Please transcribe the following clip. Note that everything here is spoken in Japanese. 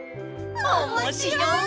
おもしろい！